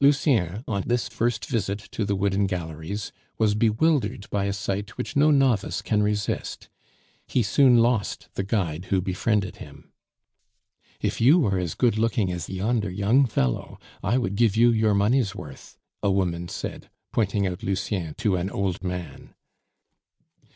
Lucien, on this first visit to the Wooden Galleries, was bewildered by a sight which no novice can resist. He soon lost the guide who befriended him. "If you were as good looking as yonder young fellow, I would give you your money's worth," a woman said, pointing out Lucien to an old man.